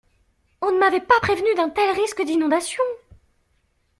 On ne m’avait pas prévenu d'un tel risque d'inondation.